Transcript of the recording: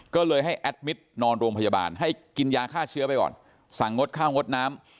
ก็เลยให้แอดมิตรนอนโรงพยาบาลให้กินยาฆ่าเชื้อไปก่อนสั่งงดข้าวงดน้ำ